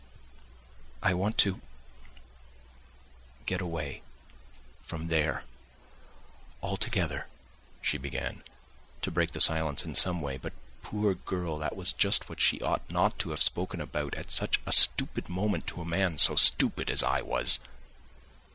"I want to... get away ... from there altogether," she began, to break the silence in some way, but, poor girl, that was just what she ought not to have spoken about at such a stupid moment to a man so stupid as I was.